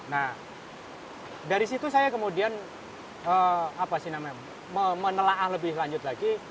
nah dari situ saya kemudian menelaah lebih lanjut lagi